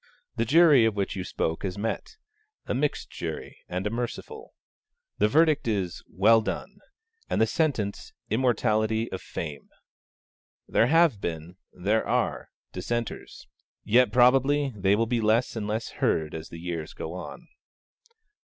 The jury of which you spoke has met: a mixed jury and a merciful. The verdict is 'Well done,' and the sentence Immortality of Fame. There have been, there are, dissenters; yet probably they will be less and less heard as the years go on.